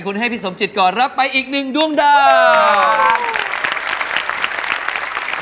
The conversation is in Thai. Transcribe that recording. โอกาสให้พี่สมจิตก่อนแล้วไปอีกหนึ่งดุ้งดาว